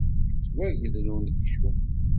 Yettwagdel unekcum.